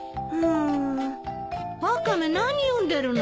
ワカメ何読んでるの？